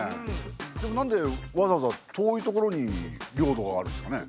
でもなんでわざわざ遠いところに領土があるんですかね？